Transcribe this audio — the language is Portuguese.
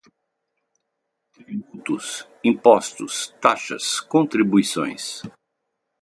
tributos, impostos, taxas, contribuições